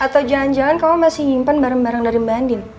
atau jalan jalan kamu masih nyimpen barang barang dari mbak andin